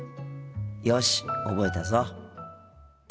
よし覚えたぞ。